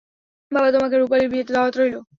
বাবা, তোমাকে রূপালির বিয়েতে দাওয়াত রইল।